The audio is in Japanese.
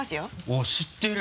あっ知ってる？